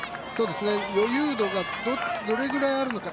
余裕度がどれぐらいあるのか。